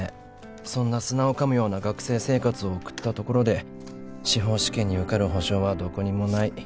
そんな砂をかむような学生生活を送ったところで司法試験に受かる保証はどこにもない。